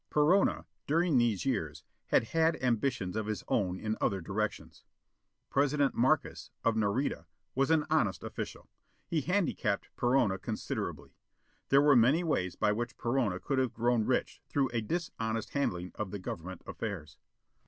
Perona, during these years, had had ambitions of his own in other directions. President Markes, of Nareda, was an honest official. He handicapped Perona considerably. There were many ways by which Perona could have grown rich through a dishonest handling of the government affairs.